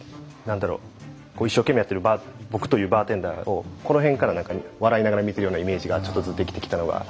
一生懸命やってる僕というバーテンダーをこの辺から笑いながら見てるようなイメージがちょっとずつできてきたのが。